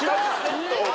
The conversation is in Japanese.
おい！